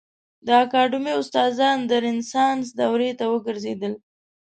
د اکاډمي استادان د رنسانس دورې ته وګرځېدل.